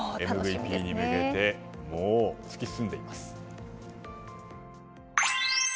ＭＶＰに向けて突き進んでいます。